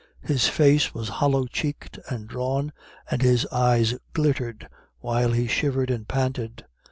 His face was hollow cheeked and drawn, and his eyes glittered while he shivered and panted.